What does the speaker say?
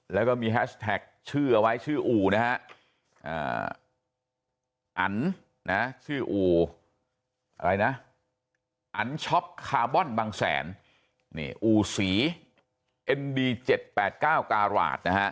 แล้วก็มีแฮชแท็กชื่อเอาไว้ชื่ออุนะฮะอันนะชื่ออุอะไรนะ